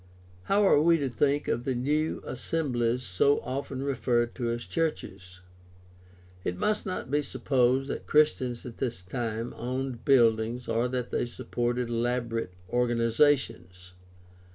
— How are we to think of the new assemblies so often referred to as "churches"? It must not be supposed that Christians at this time owned buildings or that they supported elaborate organizations.